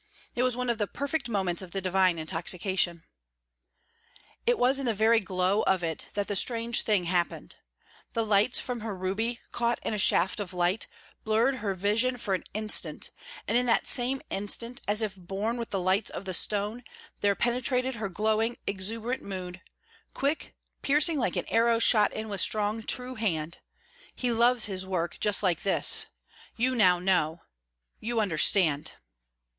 It was one of the perfect moments of the divine intoxication. It was in the very glow of it that the strange thing happened. The lights from her ruby, caught in a shaft of light, blurred her vision for an instant, and in that same instant, as if borne with the lights of the stone, there penetrated her glowing, exuberant mood quick, piercing, like an arrow shot in with strong, true hand "He loves his work just like this. You know now. You understand."